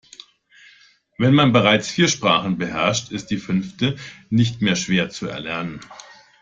Wenn man bereits vier Sprachen beherrscht, ist die fünfte nicht mehr schwer zu erlernen.